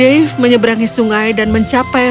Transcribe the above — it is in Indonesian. dia tidak bisa mengambil rencana besar untuk menjemputnya